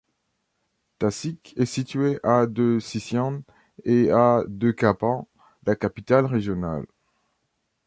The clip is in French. Tasik est située à de Sisian et à de Kapan, la capitale régionale.